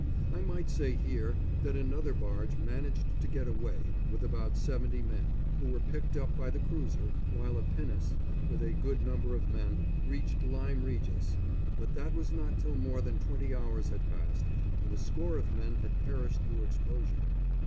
I might say here that another barge managed to get away with about seventy men, who were picked up by the cruiser, while a pinnace, with a good number of men, reached Lyme Regis, but that was not till more than twenty hours had passed and a score of men had perished through exposure.